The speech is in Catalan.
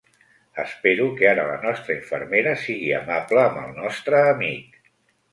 Espero que ara la nostra infermera sigui amable amb el nostre amic.